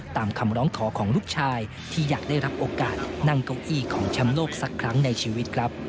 ตามคำร้องขอของลูกชายที่อยากได้รับโอกาสนั่งเก้าอี้ของแชมป์โลกสักครั้งในชีวิตครับ